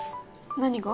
何が？